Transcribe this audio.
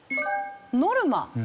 「ノルマ」。